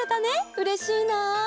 うれしいな。